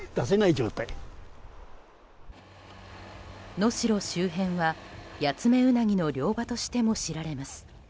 能代周辺は、ヤツメウナギの漁場としても知られます。